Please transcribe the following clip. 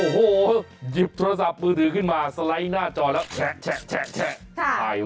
หยิบโทรศัพท์มือถือขึ้นมา